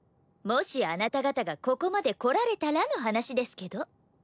もしあなた方がここまで来られたらの話ですけど。